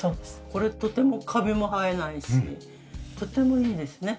これとてもカビも生えないしとてもいいですね。